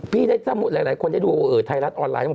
พี่ได้จำหลายคนได้ดูไทยรัฐออนไลน์